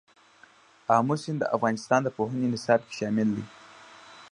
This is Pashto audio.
آمو سیند د افغانستان د پوهنې نصاب کې شامل دي.